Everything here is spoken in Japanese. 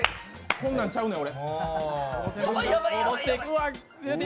こんなんちゃうねん、俺。